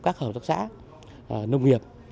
các hợp tác xã nông nghiệp